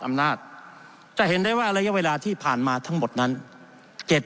อำนาจจะเห็นได้ว่าระยะเวลาที่ผ่านมาทั้งหมดนั้นเจ็ด